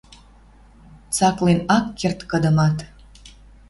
Цаклен ак керд кыдымат.